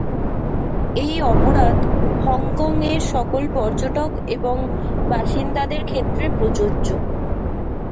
এই অপরাধ হংকং-এর সকল পর্যটক এবং বাসিন্দাদের ক্ষেত্রে প্রযোজ্য।